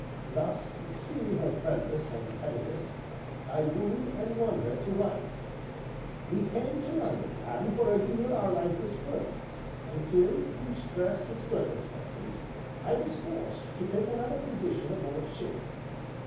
Thus, seeing her friendless and penniless, I wooed and won her to wife. We came to London, and for a year our life was perfect, until, through stress of circumstances, I was forced to take another position aboard ship.